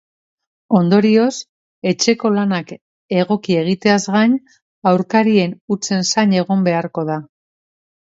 Ondorioz, etxeko lanak egoki egiteaz gain aurkarien hutsen zain egon beharko da.